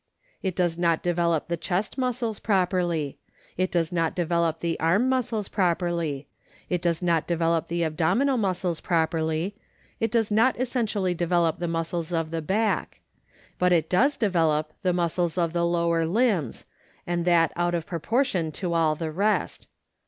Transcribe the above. It does not develop the chest muscles properly ; it does not develop the arm muscles properly ; it does not develop the abdominal muscles properly ; it does not essentially develop the muscles of the back ; but it does develop the muscles of the lower limbs, and that oat of proportion to all the rest.